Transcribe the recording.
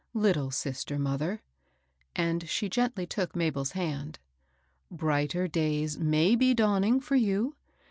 Little sister mother," and she gently took Mabel's hand, *' brighter days may be dawning for you.